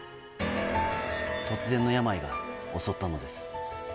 突然の病が襲ったのです。